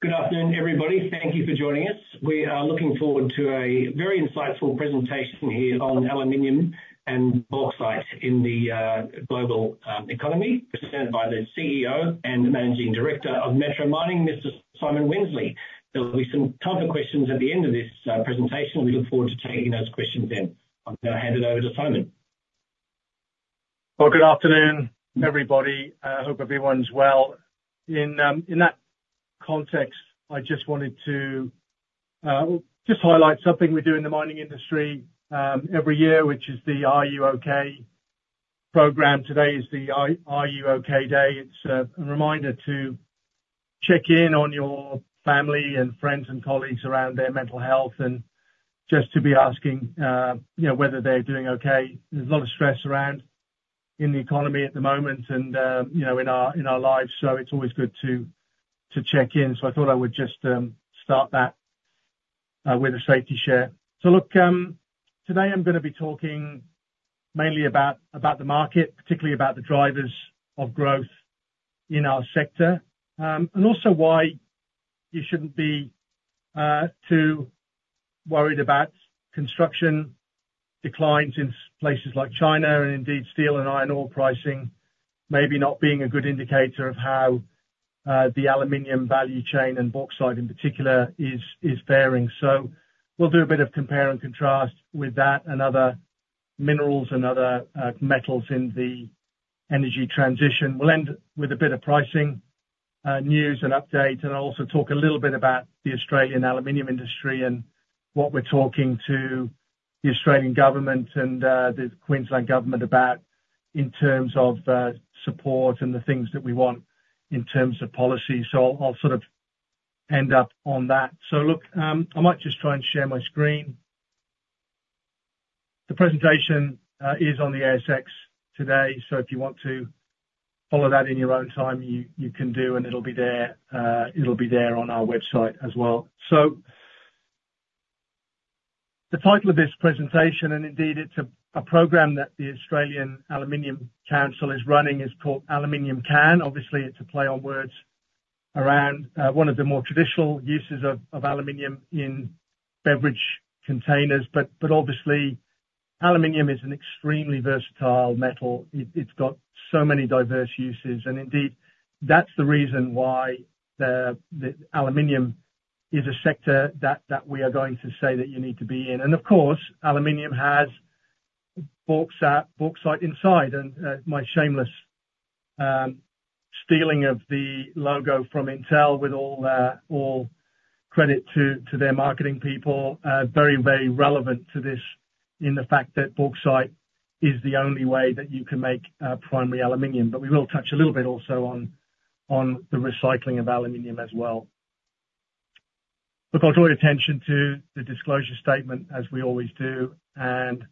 Good afternoon, everybody. Thank you for joining us. We are looking forward to a very insightful presentation here on aluminum and bauxite in the global economy, presented by the CEO and Managing Director of Metro Mining, Mr. Simon Wensley. There will be some time for questions at the end of this presentation. We look forward to taking those questions then. I'll now hand it over to Simon. Good afternoon, everybody. I hope everyone's well. In that context, I just wanted to just highlight something we do in the mining industry every year, which is the R U OK? program. Today is the R U OK? day. It's a reminder to check in on your family and friends and colleagues around their mental health, and just to be asking you know whether they're doing okay. There's a lot of stress around in the economy at the moment and you know in our lives, so it's always good to check in. I thought I would just start that with a safety share. Look, today I'm gonna be talking mainly about the market, particularly about the drivers of growth in our sector. And also why you shouldn't be too worried about construction declines in places like China, and indeed, steel and iron ore pricing maybe not being a good indicator of how the aluminum value chain and bauxite, in particular, is faring. We'll do a bit of compare and contrast with that and other minerals and other metals in the energy transition. We'll end with a bit of pricing news and update, and I'll also talk a little bit about the Australian aluminum industry and what we're talking to the Australian government and the Queensland government about, in terms of support and the things that we want in terms of policy. I'll sort of end up on that. Look, I might just try and share my screen. The presentation is on the ASX today, so if you want to follow that in your own time, you can do, and it'll be there. It'll be there on our website as well. So the title of this presentation, and indeed it's a program that the Australian Aluminum Council is running, is called Aluminum Can. Obviously, it's a play on words around one of the more traditional uses of aluminum in beverage containers. But obviously, aluminum is an extremely versatile metal. It's got so many diverse uses, and indeed, that's the reason why the aluminum is a sector that we are going to say that you need to be in. And of course, aluminum has bauxite inside, and my shameless stealing of the logo from Intel with all credit to their marketing people. Very, very relevant to this in the fact that bauxite is the only way that you can make primary aluminum. But we will touch a little bit also on the recycling of aluminum as well. We draw attention to the disclosure statement as we always do, and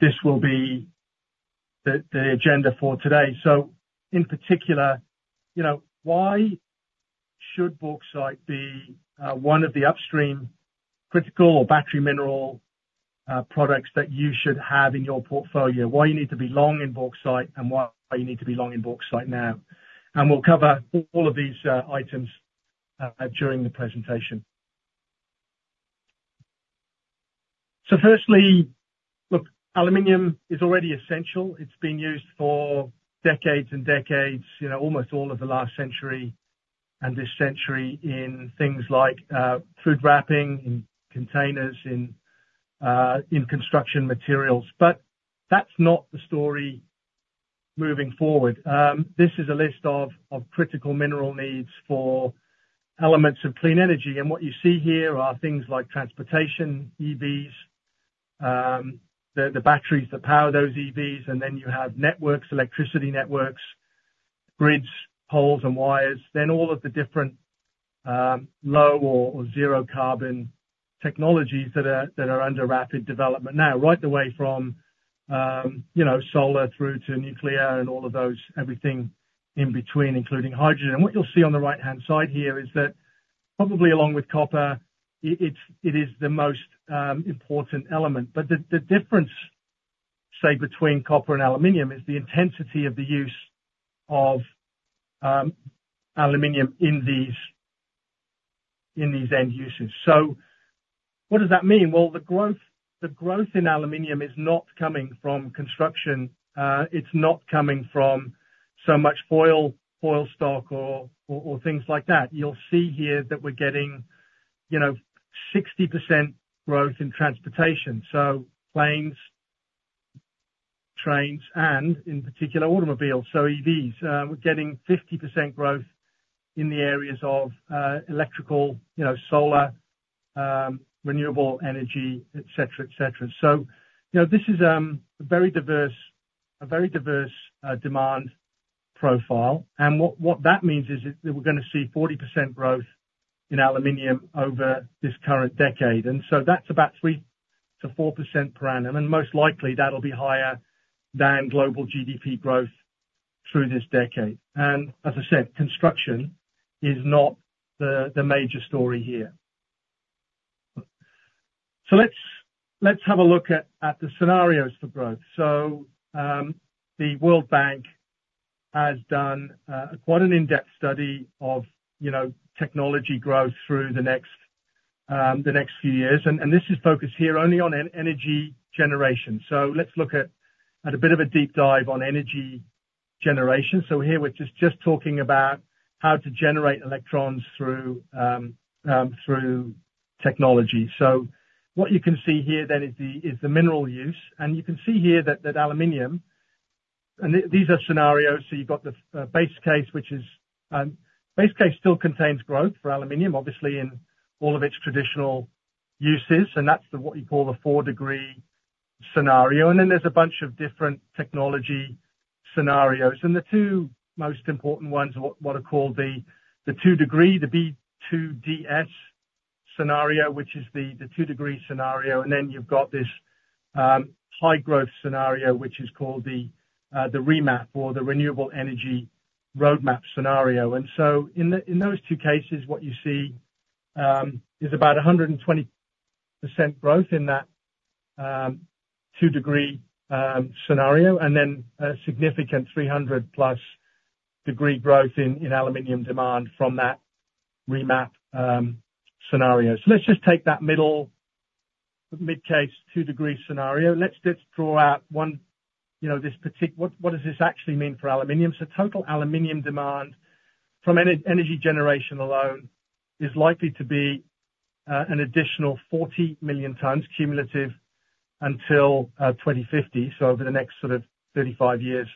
this will be the agenda for today. So in particular, you know, why should bauxite be one of the upstream critical or battery mineral products that you should have in your portfolio? Why you need to be long in bauxite, and why you need to be long in bauxite now? And we'll cover all of these items during the presentation. So firstly, look, aluminum is already essential. It's been used for decades and decades, you know, almost all of the last century and this century, in things like food wrapping, in containers, in construction materials. But that's not the story moving forward. This is a list of critical mineral needs for elements of clean energy. And what you see here are things like transportation, EVs, the batteries that power those EVs, and then you have networks, electricity networks, grids, poles and wires. Then all of the different low or zero carbon technologies that are under rapid development now. Right the way from, you know, solar through to nuclear and all of those everything in between, including hydrogen. And what you'll see on the right-hand side here is that probably along with copper, it is the most important element. But the difference, say, between copper and aluminum, is the intensity of the use of aluminum in these end uses. So what does that mean? Well, the growth in aluminum is not coming from construction, it's not coming from so much foil stock, or things like that. You'll see here that we're getting, you know, 60% growth in transportation, so planes, trains, and in particular, automobiles, so EVs. We're getting 50% growth in the areas of electrical, you know, solar, renewable energy, et cetera. So, you know, this is a very diverse demand profile. And what that means is that we're gonna see 40% growth in aluminum over this current decade, and so that's about 3%-4% per annum, and most likely that'll be higher than global GDP growth through this decade. And as I said, construction is not the major story here. So let's have a look at the scenarios for growth. The World Bank has done quite an in-depth study of, you know, technology growth through the next few years, and this is focused here only on energy generation. So let's look at a bit of a deep dive on energy generation. So here, we're just talking about how to generate electrons through technology. So what you can see here then is the mineral use, and you can see here that aluminum, and these are scenarios, so you've got the base case, which still contains growth for aluminum, obviously in all of its traditional uses, and that's what you call the four-degree scenario. And then there's a bunch of different technology scenarios, and the two most important ones are what are called the two degree, the B2DS scenario, which is the two degree scenario. And then you've got this high growth scenario, which is called the REMap or the Renewable Energy Roadmap scenario. And so in those two cases, what you see is about 120% growth in that two-degree scenario, and then a significant 300+ degree growth in aluminum demand from that REMap scenario. Let's just take that middle, mid-case, two-degree scenario. What does this actually mean for aluminum? Total aluminum demand from energy generation alone is likely to be an additional 40 million tons cumulative until 2050, so over the next sort of 35 years.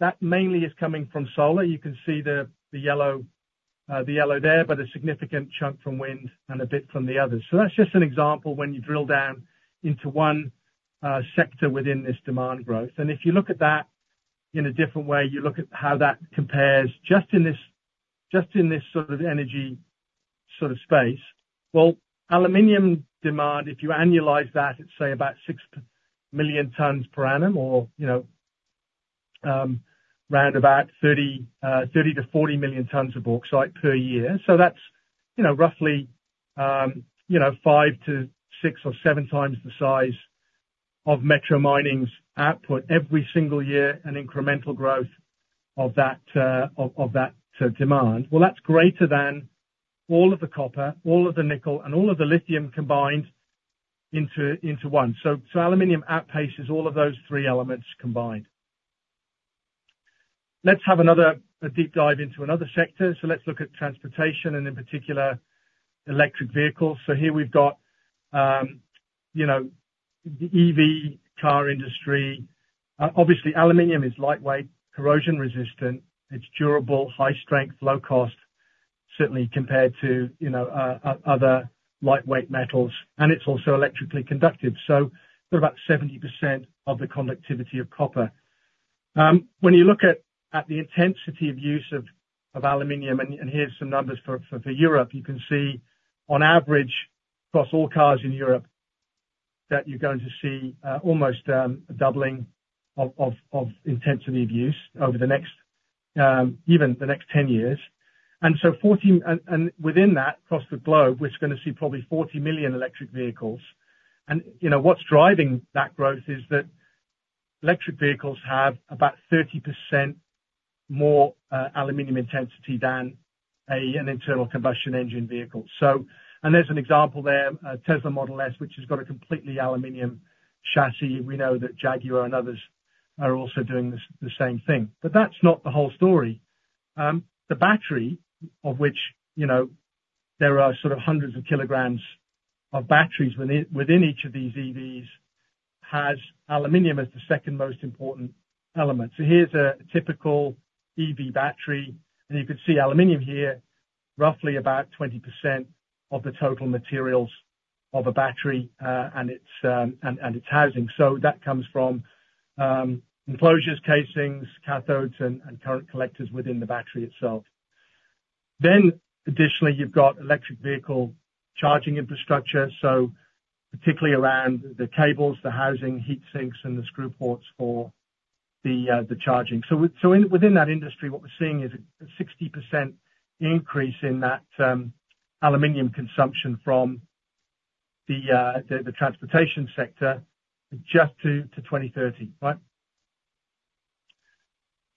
That mainly is coming from solar. You can see the yellow there, but a significant chunk from wind and a bit from the others. That's just an example when you drill down into one sector within this demand growth. And if you look at that in a different way, you look at how that compares just in this sort of energy space. Well, aluminum demand, if you annualize that, it's say about six million tons per annum, or, you know, round about 30-40 million tons of bauxite per year. So that's, you know, roughly, five to six or seven times the size of Metro Mining's output every single year, an incremental growth of that, of that demand. Well, that's greater than all of the copper, all of the nickel, and all of the lithium combined into one. So aluminum outpaces all of those three elements combined. Let's have another deep dive into another sector, so let's look at transportation and in particular, electric vehicles, so here we've got, you know, the EV car industry. Obviously, aluminum is lightweight, corrosion-resistant, it's durable, high strength, low cost, certainly compared to, you know, other lightweight metals, and it's also electrically conductive, so about 70% of the conductivity of copper. When you look at the intensity of use of aluminum, and here's some numbers for Europe, you can see on average, across all cars in Europe, that you're going to see almost a doubling of intensity of use over the next, even the next 10 years, and within that, across the globe, we're gonna see probably 40 million electric vehicles. You know, what's driving that growth is that electric vehicles have about 30% more aluminum intensity than an internal combustion engine vehicle. There's an example there, a Tesla Model S, which has got a completely aluminum chassis. We know that Jaguar and others are also doing the same thing. But that's not the whole story. The battery, of which, you know, there are sort of hundreds of kilograms of batteries within each of these EVs, has aluminum as the second most important element. So here's a typical EV battery, and you can see aluminum here, roughly about 20% of the total materials of a battery, and its housing. So that comes from enclosures, casings, cathodes, and current collectors within the battery itself. Additionally, you've got electric vehicle charging infrastructure, so particularly around the cables, the housing, heat sinks, and the charge ports for the charging. So, in within that industry, what we're seeing is a 60% increase in that aluminum consumption from the transportation sector just to 2030. Right?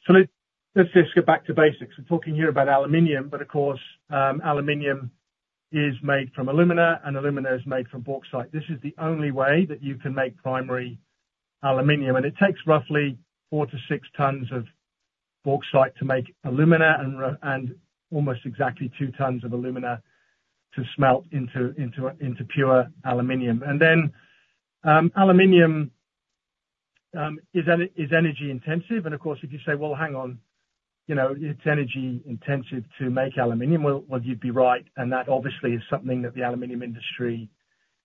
So let's just get back to basics. We're talking here about aluminum, but of course, aluminum is made from alumina, and alumina is made from bauxite. This is the only way that you can make primary aluminum, and it takes roughly four to six tons of bauxite to make alumina and almost exactly two tons of alumina to smelt into pure aluminum. And then, aluminum is energy intensive, and of course, if you say, "Well, hang on, you know, it's energy intensive to make aluminum," well, you'd be right, and that obviously is something that the aluminum industry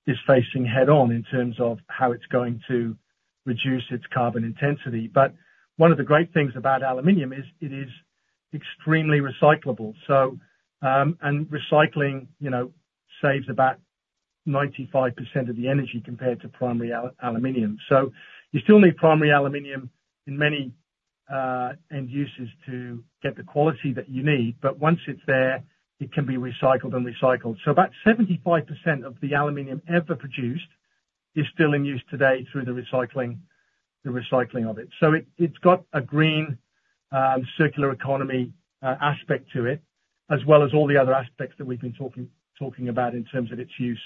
is facing head-on in terms of how it's going to reduce its carbon intensity. But one of the great things about aluminum is, it is extremely recyclable. So, and recycling, you know, saves about 95% of the energy compared to primary aluminum. So you still need primary aluminum in many end uses to get the quality that you need, but once it's there, it can be recycled and recycled. So about 75% of the aluminum ever produced is still in use today through the recycling of it. So it's got a green, circular economy aspect to it, as well as all the other aspects that we've been talking about in terms of its use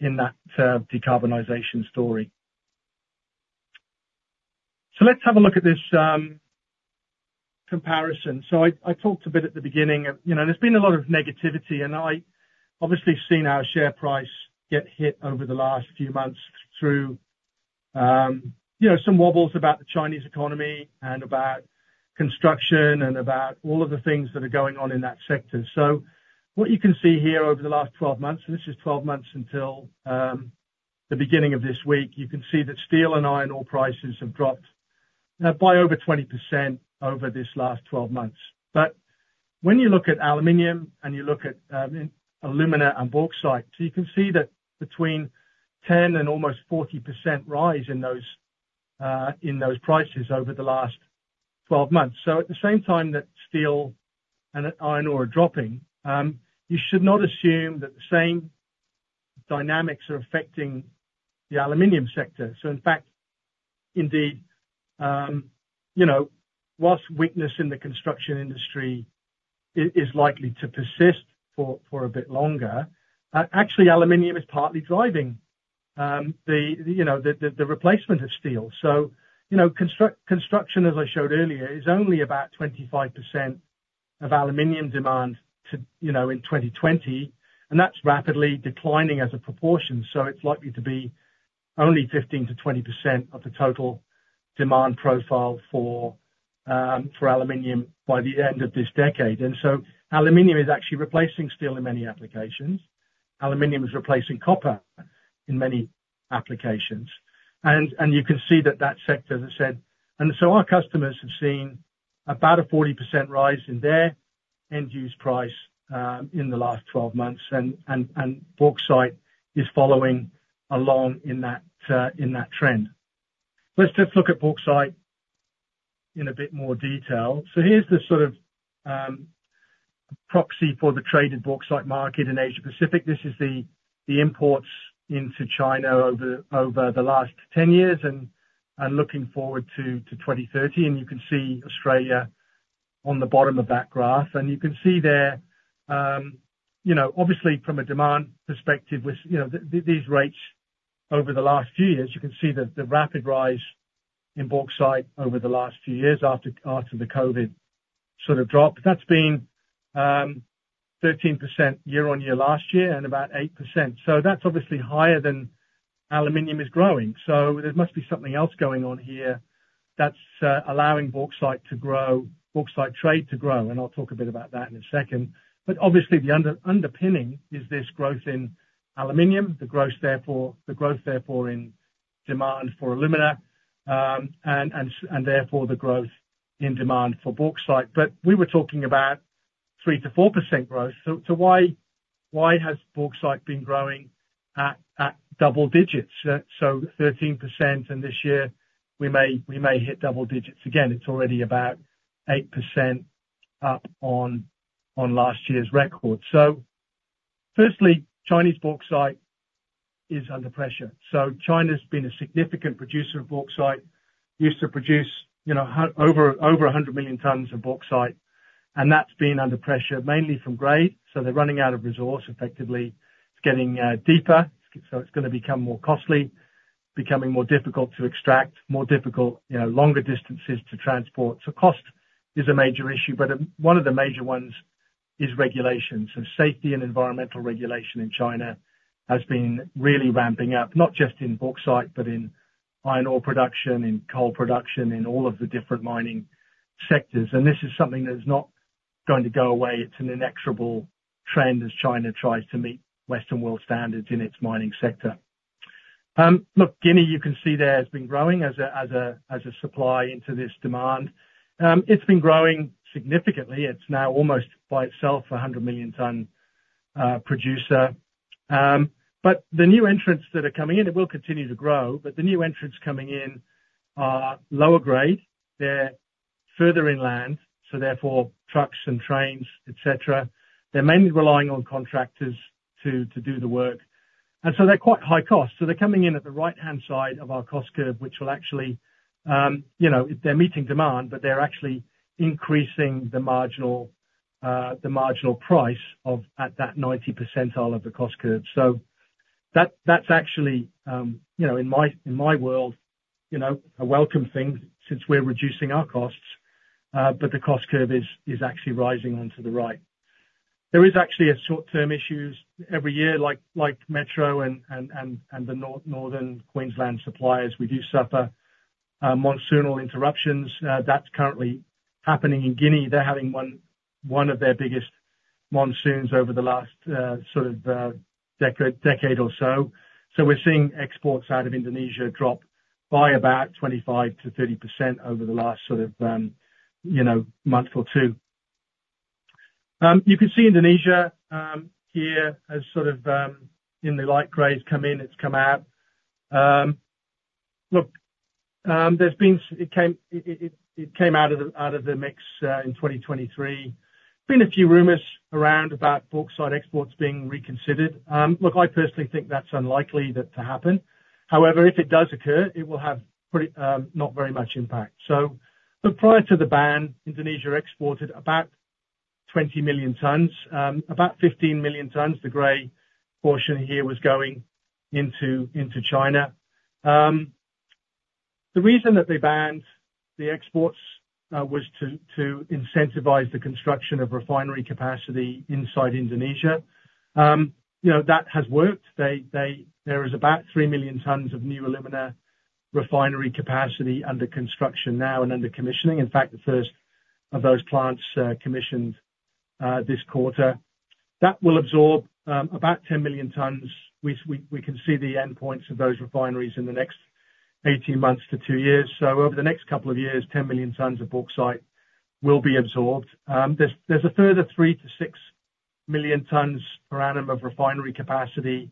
in that decarbonization story. Let's have a look at this comparison. I talked a bit at the beginning of you know, there's been a lot of negativity, and I obviously seen our share price get hit over the last few months through, you know, some wobbles about the Chinese economy and about construction and about all of the things that are going on in that sector. What you can see here over the last 12 months, and this is 12 months until the beginning of this week, you can see that steel and iron ore prices have dropped by over 20% over this last 12 months. But when you look at aluminum, and you look at, alumina and bauxite, you can see that between 10% and almost 40% rise in those prices over the last 12 months. So at the same time that steel and iron ore are dropping, you should not assume that the same dynamics are affecting the aluminum sector. So in fact, indeed, you know, whilst weakness in the construction industry is likely to persist for a bit longer, actually, aluminum is partly driving, you know, the replacement of steel. So, you know, construction, as I showed earlier, is only about 25% of aluminum demand, too, you know, in 2020, and that's rapidly declining as a proportion, so it's likely to be only 15%-20% of the total demand profile for aluminum by the end of this decade. And so aluminum is actually replacing steel in many applications. Aluminum is replacing copper in many applications. And you can see that sector, as I said. And so our customers have seen about a 40% rise in their end-use price in the last twelve months, and bauxite is following along in that trend. Let's just look at bauxite in a bit more detail. So here's the sort of proxy for the traded bauxite market in Asia Pacific. This is the imports into China over the last 10 years, and looking forward to 2030. You can see Australia on the bottom of that graph. You can see there, you know, obviously from a demand perspective, with, you know, these rates over the last few years, you can see the rapid rise in bauxite over the last few years after the COVID sort of drop. That's been 13% year on year last year, and about 8%. So that's obviously higher than aluminum is growing, so there must be something else going on here that's allowing bauxite to grow, bauxite trade to grow, and I'll talk a bit about that in a second. But obviously, the underpinning is this growth in aluminum, and therefore the growth in demand for alumina, and therefore the growth in demand for bauxite. We were talking about 3%-4% growth, so why has bauxite been growing at double digits? So 13%, and this year, we may hit double digits again. It's already about 8% up on last year's record. So firstly, Chinese bauxite is under pressure. So China's been a significant producer of bauxite, used to produce, you know, over 100 million tons of bauxite, and that's been under pressure, mainly from grade, so they're running out of resource effectively. It's getting deeper, so it's gonna become more costly, becoming more difficult to extract, you know, longer distances to transport. Cost is a major issue, but one of the major ones is regulation. Safety and environmental regulation in China has been really ramping up, not just in bauxite, but in iron ore production, in coal production, in all of the different mining sectors. This is something that is not going to go away. It's an inexorable trend as China tries to meet Western world standards in its mining sector. Look, Guinea, you can see there, has been growing as a supply into this demand. It's been growing significantly. It's now almost by itself a 100 million ton producer. But the new entrants that are coming in, it will continue to grow, but the new entrants coming in are lower grade. They're further inland, so therefore trucks and trains, et cetera. They're mainly relying on contractors to do the work, and so they're quite high cost. So they're coming in at the right-hand side of our cost curve, which will actually, you know, they're meeting demand, but they're actually increasing the marginal price of at that 90 percentile of the cost curve. So that, that's actually, you know, in my world, you know, a welcome thing since we're reducing our costs, but the cost curve is actually rising on to the right. There is actually a short-term issues every year, like Metro and the North Queensland suppliers. We do suffer monsoonal interruptions. That's currently happening in Guinea. They're having one of their biggest monsoons over the last decade or so. We're seeing exports out of Indonesia drop by about 25%-30% over the last sort of, you know, month or two. You can see Indonesia here as sort of in the light gray, it's come in, it's come out. Look, it came out of the mix in 2023. Been a few rumors around about bauxite exports being reconsidered. Look, I personally think that's unlikely that to happen. However, if it does occur, it will have pretty not very much impact. So, but prior to the ban, Indonesia exported about 20 million tons. About 15 million tons, the gray portion here, was going into China. The reason that they banned the exports was to incentivize the construction of refinery capacity inside Indonesia. You know, that has worked. They, there is about three million tons of new alumina refinery capacity under construction now and under commissioning. In fact, the first of those plants, commissioned, this quarter. That will absorb about 10 million tons, which we can see the endpoints of those refineries in the next 18 months to two years. So over the next couple of years, 10 million tons of bauxite will be absorbed. There's a further three to six million tons per annum of refinery capacity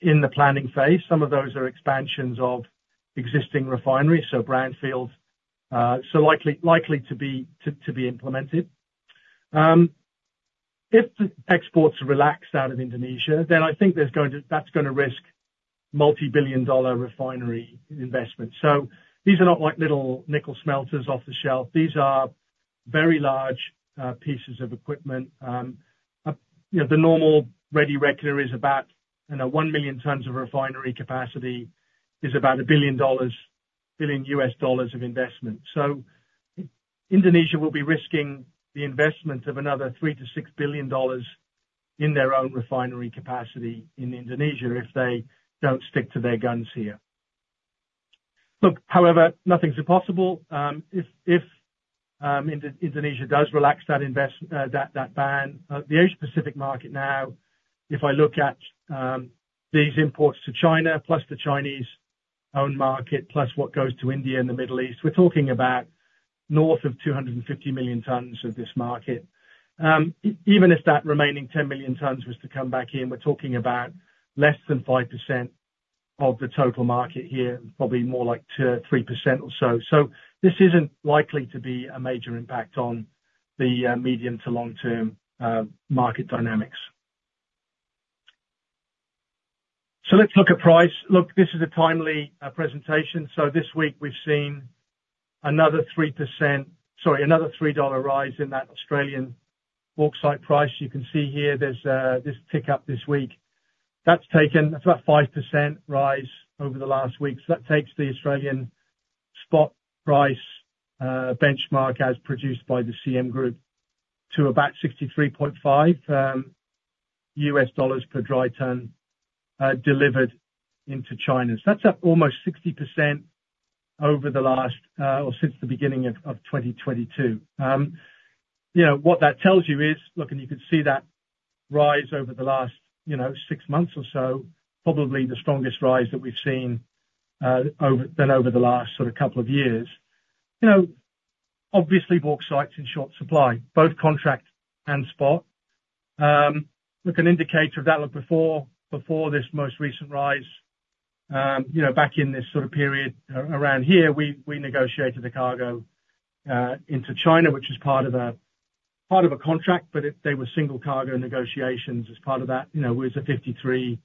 in the planning phase. Some of those are expansions of existing refineries, so brownfield, so likely to be implemented. If the exports relax out of Indonesia, then I think that's gonna risk multi-billion dollar refinery investments. So these are not like little nickel smelters off the shelf. These are very large pieces of equipment. You know, the normal ready regular is about, you know, 1 million tons of refinery capacity, is about $1 billion, $1 billion of investment. So Indonesia will be risking the investment of another $3 billion-$6 billion in their own refinery capacity in Indonesia, if they don't stick to their guns here. Look, however, nothing's impossible. If Indonesia does relax that investment ban, the Asia Pacific market now, if I look at these imports to China, plus the Chinese-owned market, plus what goes to India and the Middle East, we're talking about north of 250 million tons of this market. Even if that remaining 10 million tons was to come back in, we're talking about less than 5% of the total market here, probably more like 2% or 3% or so. So this isn't likely to be a major impact on the medium to long-term market dynamics. So let's look at price. Look, this is a timely presentation. So this week we've seen another 3%. Sorry, another $3 rise in that Australian bauxite price. You can see here there's this tick up this week. That's taken, that's about 5% rise over the last week. So that takes the Australian spot price benchmark, as produced by the CM Group, to about $63.5 per dry ton delivered into China. So that's up almost 60% over the last or since the beginning of 2022. You know, what that tells you is. Look, and you can see that rise over the last, you know, six months or so, probably the strongest rise that we've seen over than over the last sort of couple of years. You know, obviously, bauxite's in short supply, both contract and spot. Look, an indicator of that. Look, before this most recent rise, you know, back in this sort of period around here, we negotiated the cargo into China, which is part of a contract, but they were single cargo negotiations as part of that, you know, it was a $53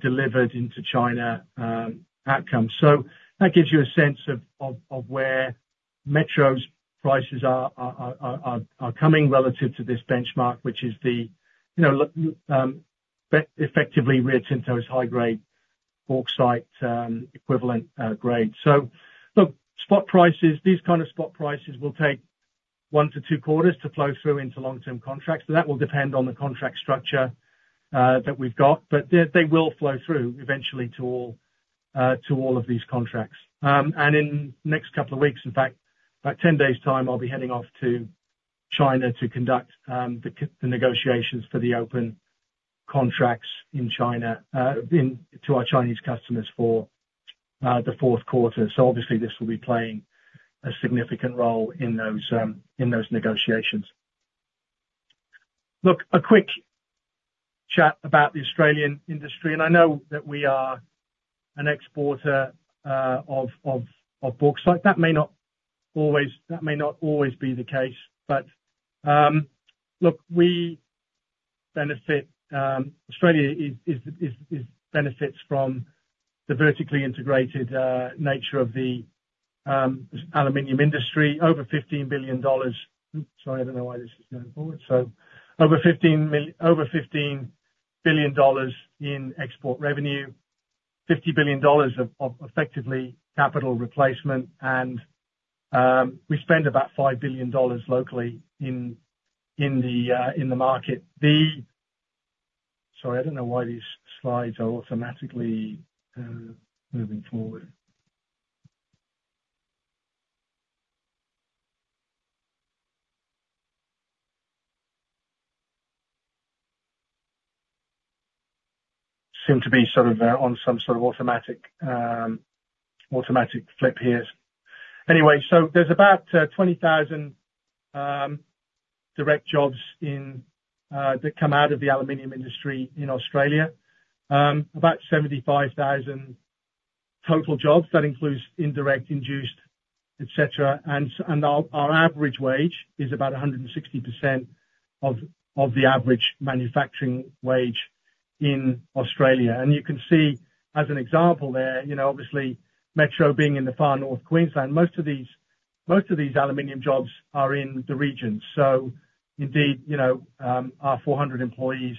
delivered into China outcome. So that gives you a sense of where Metro's prices are coming relative to this benchmark, which is effectively Rio Tinto's high-grade bauxite equivalent grade. Spot prices, these kind of spot prices will take one to two quarters to flow through into long-term contracts, so that will depend on the contract structure that we've got, but they will flow through eventually to all of these contracts. And in the next couple of weeks, in fact, about 10 days' time, I'll be heading off to China to conduct the negotiations for the open contracts in China into our Chinese customers for the fourth quarter. So obviously, this will be playing a significant role in those negotiations. Look, a quick chat about the Australian industry, and I know that we are an exporter of bauxite. That may not always be the case. But look, we benefit. Australia benefits from the vertically integrated nature of the aluminum industry, over 15 billion dollars. Sorry, I don't know why this is going forward. So over 15 billion dollars in export revenue, 50 billion dollars of effectively capital replacement, and we spend about 5 billion dollars locally in the market. The. Sorry, I don't know why these slides are automatically moving forward. They seem to be sort of on some sort of automatic flip here. Anyway, so there's about 20,000 direct jobs that come out of the aluminum industry in Australia. About 75,000 total jobs. That includes indirect, induced, etc. And our average wage is about 160% of the average manufacturing wage in Australia. And you can see, as an example there, you know, obviously, Metro being in the far North Queensland, most of these aluminum jobs are in the region. So indeed, you know, our 400 employees,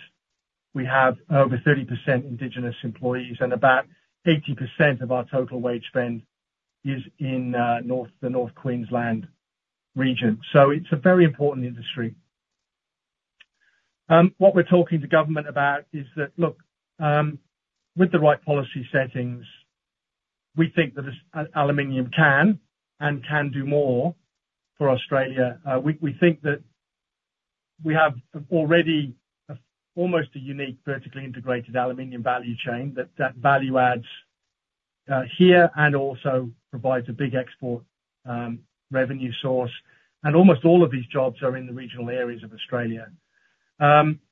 we have over 30% indigenous employees, and about 80% of our total wage spend is in the North Queensland region. So it's a very important industry. What we're talking to government about is that, look, with the right policy settings, we think that this aluminum can, and can do more for Australia. We think that we have already almost a unique vertically integrated aluminum value chain, that value adds here, and also provides a big export revenue source, and almost all of these jobs are in the regional areas of Australia.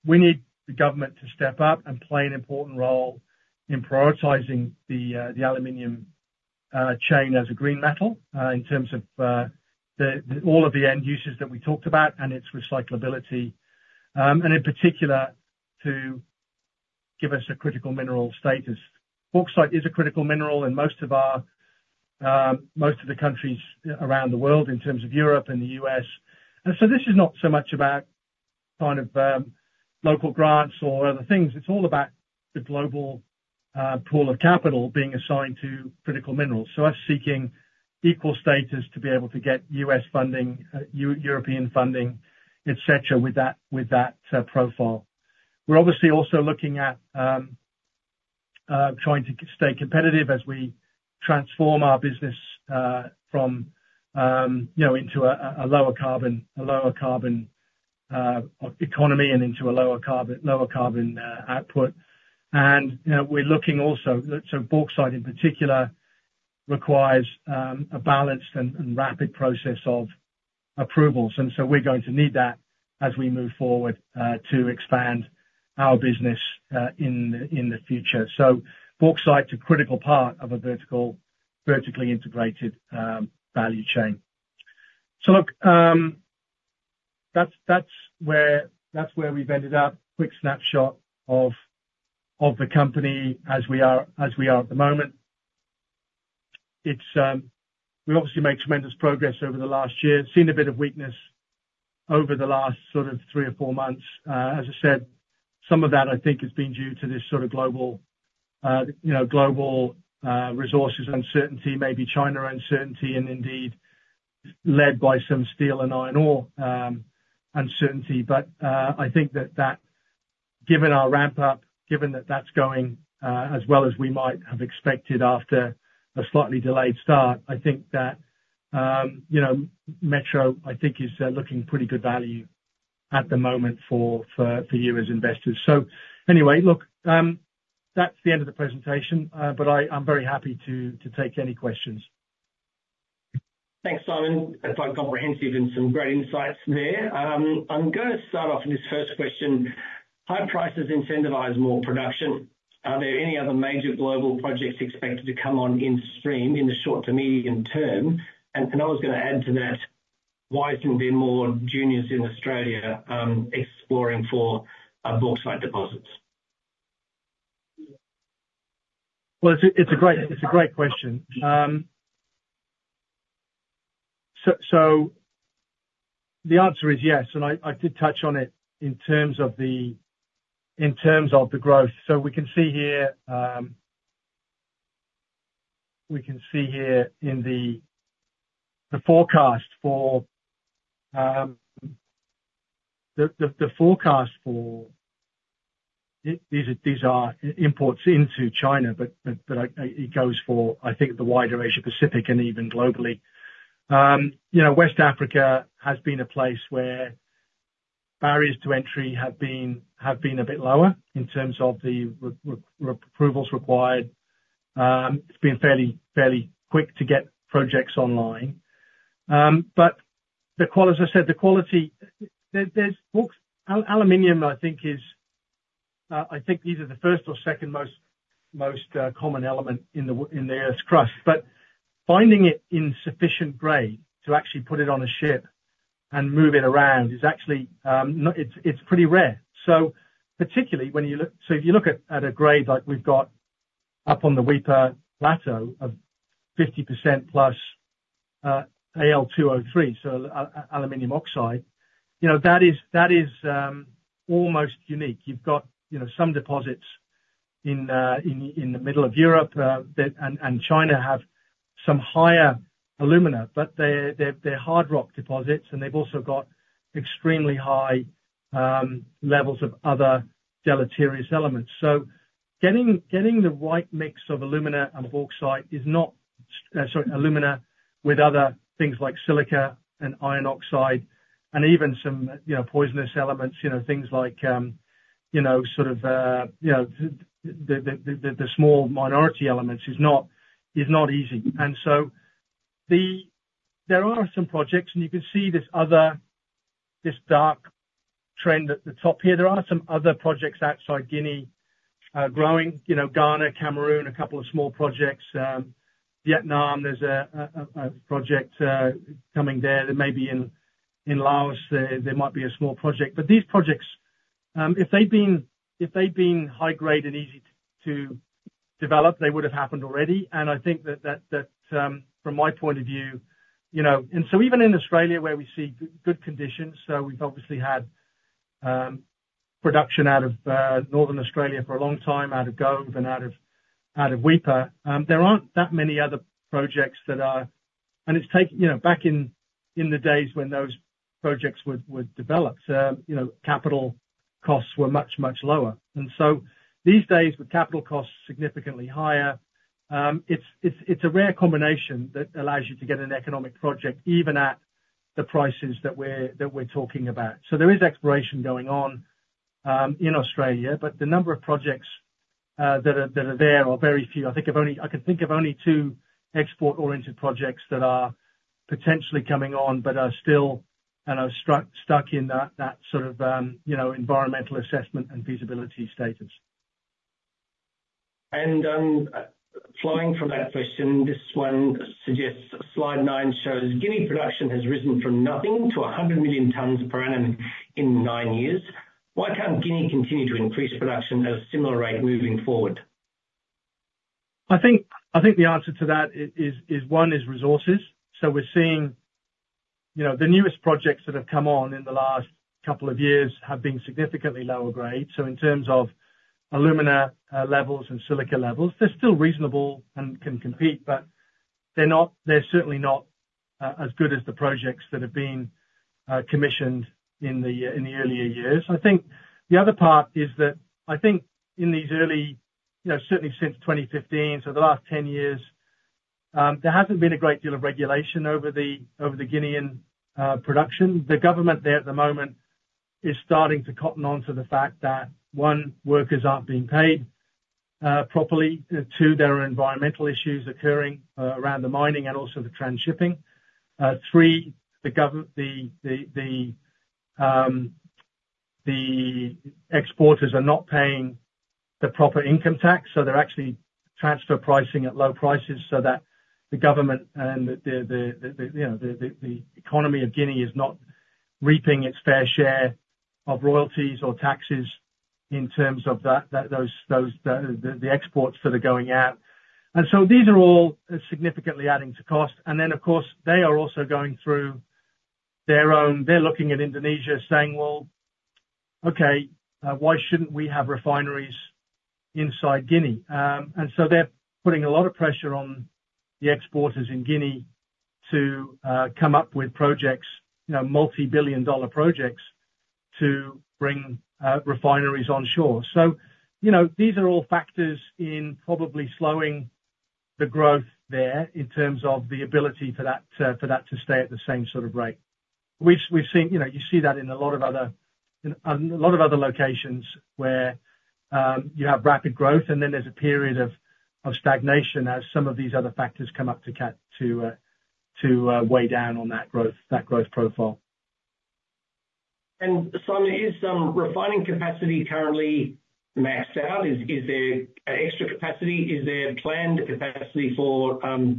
We need the government to step up and play an important role in prioritizing the aluminum chain as a green metal, in terms of the all of the end uses that we talked about and its recyclability, and in particular, to give us a critical mineral status. Bauxite is a critical mineral in most of the countries around the world, in terms of Europe and the U.S. And so this is not so much about kind of local grants or other things. It's all about the global pool of capital being assigned to critical minerals. So us seeking equal status to be able to get U.S. funding, European funding, et cetera, with that profile. We're obviously also looking at trying to stay competitive as we transform our business from you know into a lower carbon economy and into a lower carbon output. And, you know, we're looking also... Bauxite, in particular, requires a balanced and rapid process of approvals, and so we're going to need that as we move forward to expand our business in the future. Bauxite's a critical part of a vertically integrated value chain. So look, that's where we've ended up. Quick snapshot of the company as we are at the moment. It's we've obviously made tremendous progress over the last year. Seen a bit of weakness over the last sort of three or four months. As I said, some of that, I think, has been due to this sort of global, you know, global resources uncertainty, maybe China uncertainty, and indeed led by some steel and iron ore uncertainty. But I think that given our ramp up, given that that's going as well as we might have expected after a slightly delayed start, I think that you know, Metro is looking pretty good value at the moment for you as investors. So anyway, look, that's the end of the presentation, but I'm very happy to take any questions. Thanks, Simon. It's quite comprehensive and some great insights there. I'm gonna start off with this first question: High prices incentivize more production. Are there any other major global projects expected to come on stream in the short to medium term? And I was gonna add to that, why there wouldn't be more juniors in Australia, exploring for bauxite deposits? It's a great question. The answer is yes, and I did touch on it in terms of the growth. We can see here in the forecast. These are imports into China, but it goes for, I think, the wider Asia Pacific and even globally. You know, West Africa has been a place where barriers to entry have been a bit lower in terms of the approvals required. It's been fairly quick to get projects online. But as I said, the quality there. There's bauxite, aluminum, I think, is the first or second most common element in the Earth's crust. But finding it in sufficient grade to actually put it on a ship and move it around is actually not. It's pretty rare. So particularly when you look at a grade like we've got up on the Weipa Plateau of 50%+ Al2O3, so aluminum oxide, you know, that is almost unique. You've got, you know, some deposits in the middle of Europe, and China have some higher alumina, but they're hard rock deposits, and they've also got extremely high levels of other deleterious elements. So getting the right mix of alumina with other things like silica and iron oxide and even some, you know, poisonous elements, you know, things like, you know, sort of, you know, the small minority elements is not easy. And so there are some projects, and you can see this other dark trend at the top here. There are some other projects outside Guinea, growing, you know, Ghana, Cameroon, a couple of small projects. Vietnam, there's a project coming there that may be in Laos, there might be a small project. But these projects, if they'd been high grade and easy to develop, they would have happened already. I think that from my point of view, you know. And so even in Australia, where we see good conditions, so we've obviously had production out of Northern Australia for a long time, out of Gove and out of Weipa. There aren't that many other projects that are. You know, back in the days when those projects were developed, you know, capital costs were much lower. And so these days, with capital costs significantly higher, it's a rare combination that allows you to get an economic project, even at the prices that we're talking about. So there is exploration going on in Australia, but the number of projects that are there are very few. I can think of only two export-oriented projects that are potentially coming on, but are still, and are stuck in that sort of, you know, environmental assessment and feasibility status. Flowing from that question, this one suggests, slide nine shows Guinea production has risen from nothing to a 100 million tons per annum in nine years. Why can't Guinea continue to increase production at a similar rate moving forward? I think the answer to that is one, resources. So we're seeing, you know, the newest projects that have come on in the last couple of years have been significantly lower grade. So in terms of alumina levels and silica levels, they're still reasonable and can compete, but they're not, they're certainly not as good as the projects that have been commissioned in the earlier years. I think the other part is that I think in these early. You know, certainly since twenty fifteen, so the last ten years, there hasn't been a great deal of regulation over the Guinean production. The government there at the moment is starting to cotton on to the fact that, one, workers aren't being paid properly. Two, there are environmental issues occurring around the mining and also the transshipping. Three, the exporters are not paying the proper income tax, so they're actually transfer pricing at low prices so that the government and the economy of Guinea is not reaping its fair share of royalties or taxes in terms of those exports that are going out. These are all significantly adding to cost. Then, of course, they are also going through their own. They're looking at Indonesia, saying, "Why shouldn't we have refineries inside Guinea?" They're putting a lot of pressure on the exporters in Guinea to come up with projects, you know, multi-billion dollar projects, to bring refineries on shore. So, you know, these are all factors in probably slowing the growth there in terms of the ability for that to stay at the same sort of rate. We've seen, you know, you see that in a lot of other locations where you have rapid growth, and then there's a period of stagnation as some of these other factors come up to weigh down on that growth, that growth profile. And so is some refining capacity currently maxed out? Is there extra capacity? Is there planned capacity for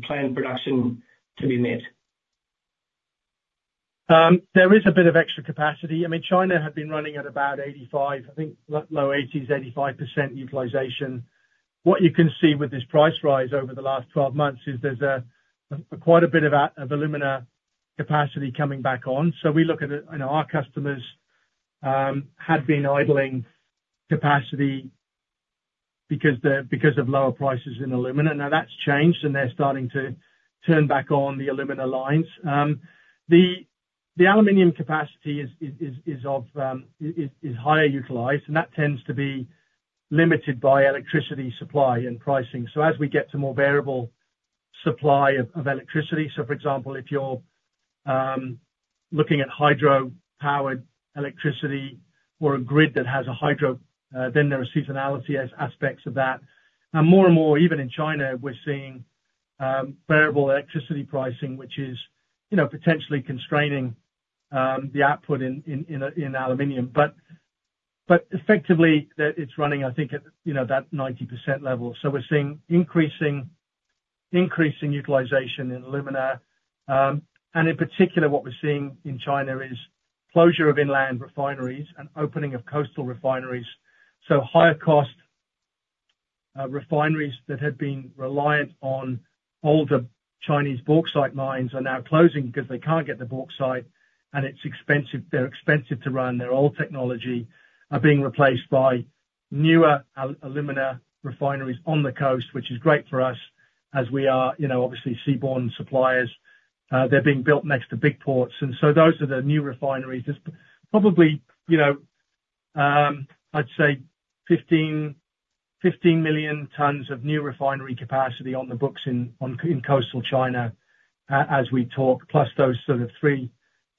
planned production to be met? There is a bit of extra capacity. I mean, China had been running at about 85%, I think, low 80%s-85% utilization. What you can see with this price rise over the last 12 months is there's quite a bit of alumina capacity coming back on. So we look at it, you know, our customers had been idling capacity because of lower prices in alumina. Now that's changed, and they're starting to turn back on the alumina lines. The aluminum capacity is higher utilized, and that tends to be limited by electricity supply and pricing. So as we get to more variable supply of electricity, so for example, if you're looking at hydro-powered electricity or a grid that has a hydro, then there are seasonality aspects of that. Now, more and more, even in China, we're seeing variable electricity pricing, which is, you know, potentially constraining the output in aluminum. But effectively, it's running, I think, you know, that 90% level. So we're seeing increasing utilization in alumina. And in particular, what we're seeing in China is closure of inland refineries and opening of coastal refineries. So higher cost refineries that had been reliant on older Chinese bauxite mines are now closing because they can't get the bauxite, and it's expensive, they're expensive to run. They're old technology are being replaced by newer alumina refineries on the coast, which is great for us as we are, you know, obviously seaborne suppliers. They're being built next to big ports, and so those are the new refineries. There's probably, you know, I'd say 15 million tons of new refinery capacity on the books in coastal China as we talk, plus those sort of three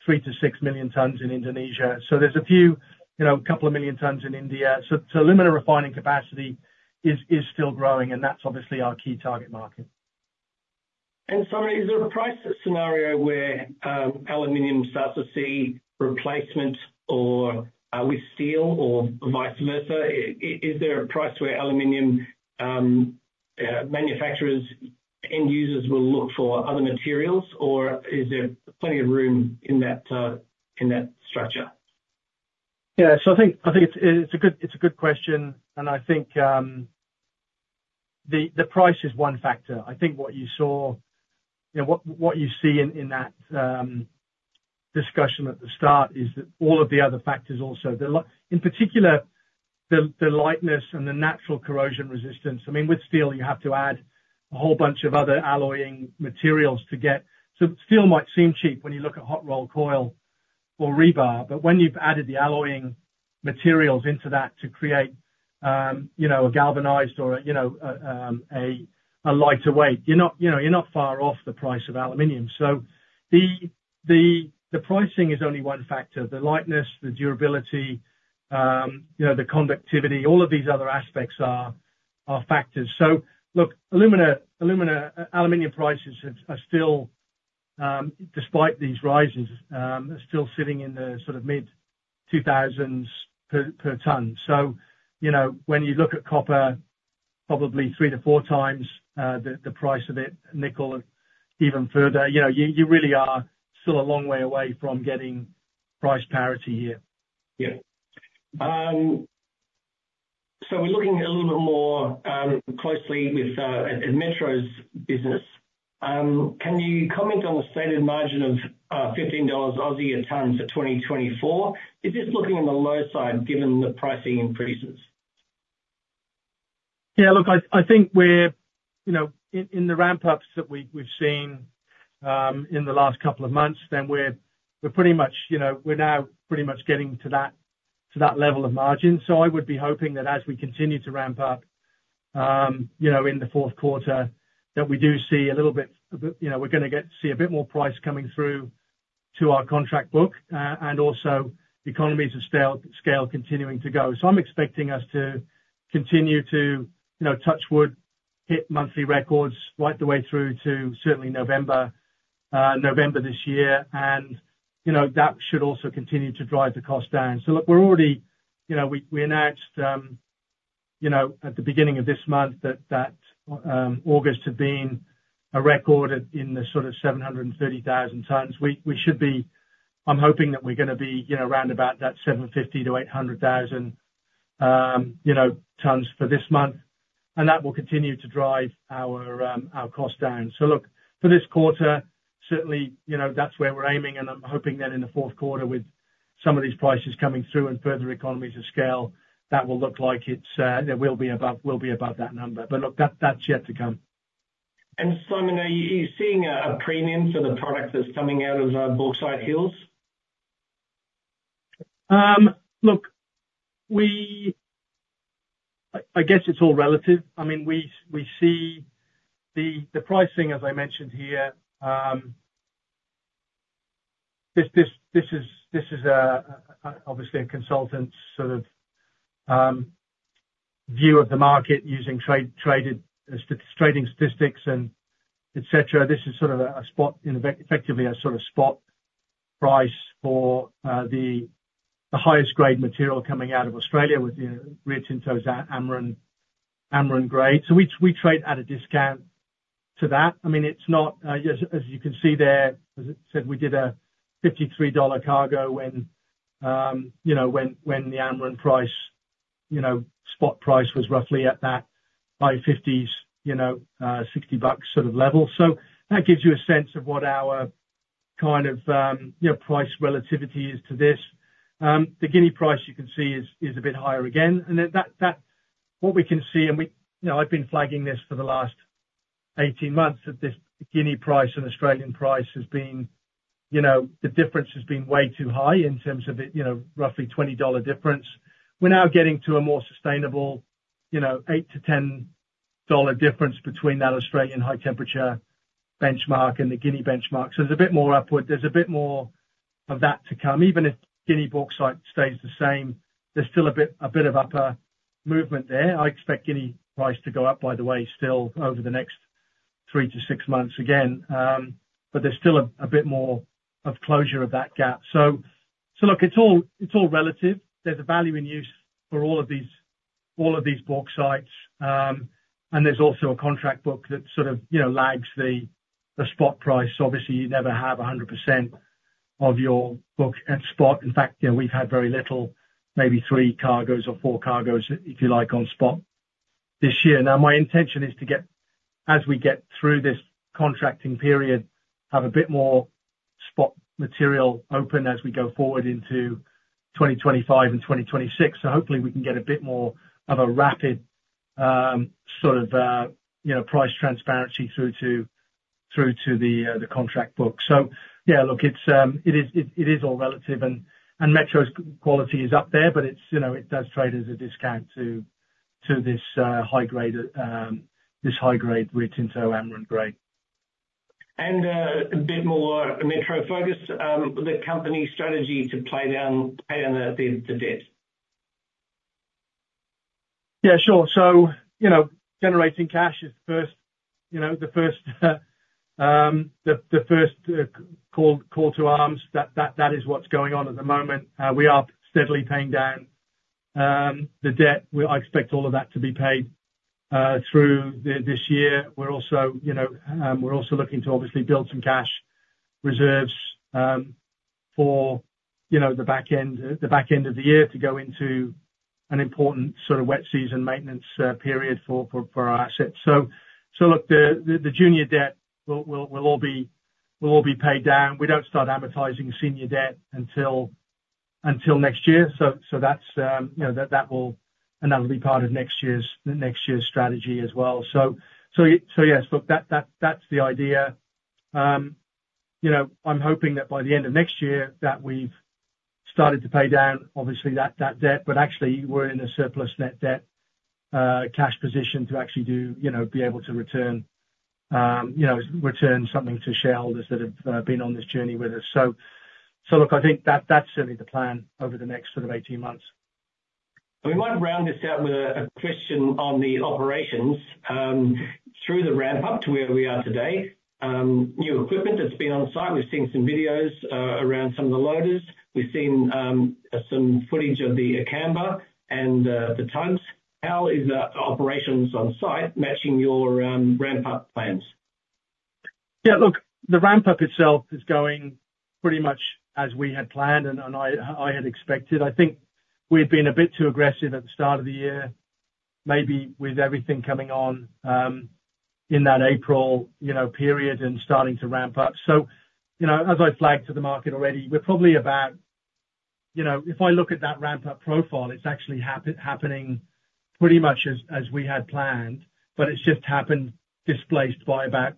to six million tons in Indonesia. So there's a few, you know, a couple of million tons in India. So alumina refining capacity is still growing, and that's obviously our key target market. Simon, is there a price scenario where aluminum starts to see replacement or with steel or vice versa? Is there a price where aluminum manufacturers and users will look for other materials, or is there plenty of room in that structure? Yeah, so I think it's a good question, and I think the price is one factor. I think what you saw, you know, what you see in that discussion at the start, is that all of the other factors also. In particular, the lightness and the natural corrosion resistance. I mean, with steel, you have to add a whole bunch of other alloying materials to get... So steel might seem cheap when you look at hot-rolled coil or rebar, but when you've added the alloying materials into that to create, you know, a galvanized or, you know, a lighter weight, you're not, you know, you're not far off the price of aluminum. So the pricing is only one factor. The lightness, the durability, you know, the conductivity, all of these other aspects are factors. So look, alumina, aluminum prices are still, despite these rises, are still sitting in the sort of mid two thousands per ton. So, you know, when you look at copper, probably three to four times the price of it, nickel, even further, you know, you really are still a long way away from getting price parity here. Yeah. So we're looking a little more closely with Metro's business. Can you comment on the stated margin of 15 Aussie dollars a ton for 2024? Is this looking on the low side, given the pricing increases? Yeah, look, I think we're, you know, in the ramp-ups that we've seen in the last couple of months, then we're pretty much, you know, we're now pretty much getting to that level of margin. So I would be hoping that as we continue to ramp up, you know, in the fourth quarter, that we do see a little bit, a bit, you know, we're gonna get to see a bit more price coming through to our contract book, and also economies of scale continuing to go. So I'm expecting us to continue to, you know, touch wood, hit monthly records right the way through to certainly November this year, and, you know, that should also continue to drive the cost down. So look, we're already, you know, we announced, you know, at the beginning of this month that August had been a record in the sort of 730,000 tons. We should be. I'm hoping that we're gonna be, you know, around about that 750-800,000 tons for this month. And that will continue to drive our costs down. So look, for this quarter, certainly, you know, that's where we're aiming, and I'm hoping that in the fourth quarter, with some of these prices coming through and further economies of scale, that will look like it's, that will be above that number. But look, that's yet to come. Simon, are you seeing a premium for the product that's coming out of Bauxite Hills? Look, I guess it's all relative. I mean, we see the pricing, as I mentioned here. This is obviously a consultant's sort of view of the market using trading statistics and et cetera. This is sort of a spot, and effectively a sort of spot price for the highest grade material coming out of Australia with Rio Tinto's Amrun grade. So we trade at a discount to that. I mean, it's not as you can see there, as I said, we did a $53 cargo when, you know, when the Amrun price, you know, spot price was roughly at that high $50s, you know, $60 bucks sort of level. So that gives you a sense of what our kind of, you know, price relativity is to this. The Guinea price, you can see, is a bit higher again, and then that. What we can see, and we, you know, I've been flagging this for the last 18 months, that this Guinea price and Australian price has been, you know, the difference has been way too high in terms of the, you know, roughly $20 difference. We're now getting to a more sustainable, you know, $8-$10 difference between that Australian high temperature benchmark and the Guinea benchmark. So there's a bit more upward, there's a bit more of that to come. Even if Guinea bauxite stays the same, there's still a bit of upper movement there. I expect Guinea price to go up, by the way, still, over the next three to six months again, but there's still a bit more of closure of that gap. Look, it's all, it's all relative. There's a value in use for all of these, all of these bauxites, and there's also a contract book that sort of, you know, lags the spot price. Obviously, you never have 100% of your book at spot. In fact, you know, we've had very little, maybe three cargoes or four cargoes, if you like, on spot this year. Now, my intention is to get, as we get through this contracting period, have a bit more spot material open as we go forward into 2025 and 2026. So hopefully we can get a bit more of a rapid, sort of, you know, price transparency through to the contract book. So yeah, look, it is all relative, and Metro's quality is up there, but it's, you know, it does trade as a discount to this high grade, this high-grade Rio Tinto Amrun grade. A bit more Metro focused, the company's strategy to pay down the debt. Yeah, sure. So, you know, generating cash is the first call to arms. That is what's going on at the moment. We are steadily paying down the debt. I expect all of that to be paid through this year. We're also, you know, we're also looking to obviously build some cash reserves for, you know, the back end of the year to go into an important sort of wet season maintenance period for our assets. So look, the junior debt will all be paid down. We don't start advertising senior debt until next year. So that's, you know, that will, and that will be part of next year's strategy as well. Yes, look, that's the idea. You know, I'm hoping that by the end of next year, that we've started to pay down, obviously, that debt, but actually, we're in a surplus net debt cash position to actually do, you know, be able to return, you know, return something to shareholders that have been on this journey with us. Look, I think that's certainly the plan over the next sort of eighteen months. We might round this out with a question on the operations through the ramp up to where we are today. New equipment that's been on site, we've seen some videos around some of the loaders. We've seen some footage of the Akamba and the trans. How is the operations on site matching your ramp up plans? Yeah, look, the ramp up itself is going pretty much as we had planned, and I had expected. I think we had been a bit too aggressive at the start of the year, maybe with everything coming on in that April, you know, period and starting to ramp up. So, you know, as I flagged to the market already, we're probably about... You know, if I look at that ramp up profile, it's actually happening pretty much as we had planned, but it's just happened, displaced by about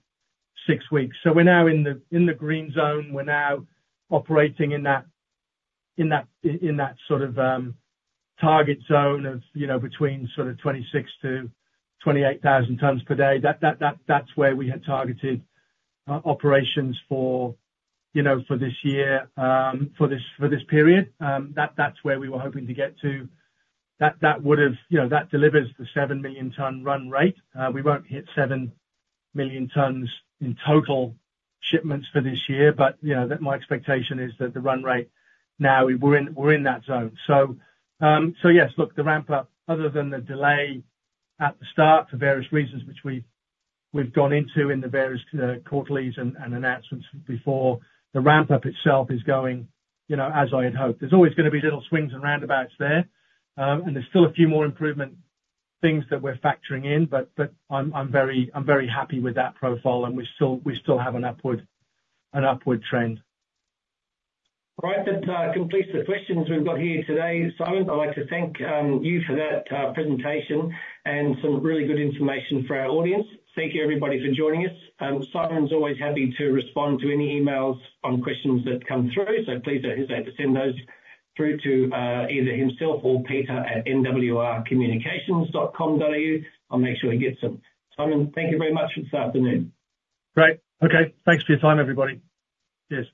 6 weeks. So we're now in the green zone. We're now operating in that sort of target zone of, you know, between sort of 26 to 28 thousand tons per day. That's where we had targeted operations for, you know, for this year, for this period. That's where we were hoping to get to. That would've, you know, that delivers the seven million ton run rate. We won't hit seven million tons in total shipments for this year, but, you know, that, my expectation is that the run rate, now, we're in that zone. So yes, look, the ramp up, other than the delay at the start for various reasons, which we've gone into in the various quarterlies and announcements before, the ramp up itself is going, you know, as I had hoped. There's always gonna be little swings and roundabouts there, and there's still a few more improvement things that we're factoring in, but I'm very happy with that profile, and we still have an upward trend. All right. That completes the questions we've got here today. Simon, I'd like to thank you for that presentation and some really good information for our audience. Thank you, everybody, for joining us. Simon's always happy to respond to any emails on questions that come through, so please don't hesitate to send those through to either himself or Peter at nwrcommunications.com.au. I'll make sure he gets them. Simon, thank you very much for this afternoon. Great! Okay. Thanks for your time, everybody. Cheers.